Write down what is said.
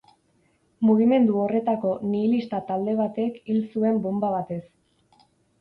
Mugimendu horretako nihilista-talde batek hil zuen bonba batez.